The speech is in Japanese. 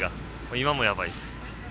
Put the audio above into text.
今もやばいです。